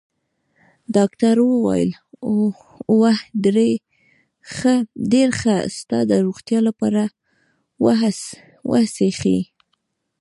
ډاکټر وویل: اوه، ډېر ښه، ستا د روغتیا لپاره، و څښئ.